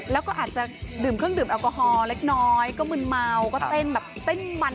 แล้วก็อาจจะดื่มเครื่องดื่มแอลกอฮอลเล็กน้อยก็มึนเมาก็เต้นแบบเต้นมัน